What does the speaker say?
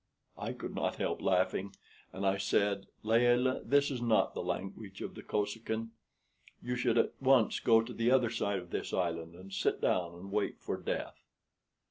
I could not help laughing, and I said: "Layelah, this is not the language of the Kosekin. You should at once go to the other side of this island, and sit down and wait for death."